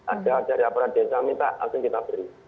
ada dari aparat desa minta langsung kita beri